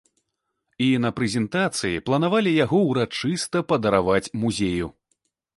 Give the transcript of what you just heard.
І на прэзентацыі планавалі яго ўрачыста падараваць музею.